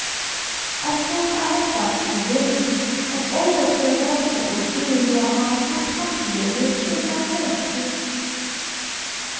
I thought I had but to will it, and all that there was that was good in your heart would come to your lips with my first kiss.